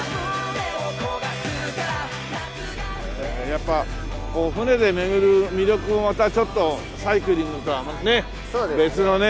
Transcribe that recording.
やっぱ船で巡る魅力もまたちょっとサイクリングとはね別のね。